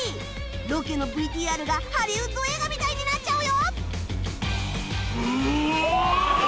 ロケの ＶＴＲ がハリウッド映画みたいになっちゃうよ！